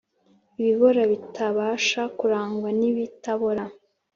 ibibora bitabasha kuragwa ibitabora.